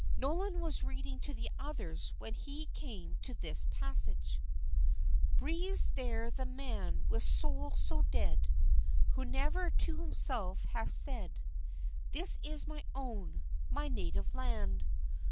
Nolan was reading to the others when he came to this passage: "Breathes there the man with soul so dead Who never to himself hath said, This is my own, my native land!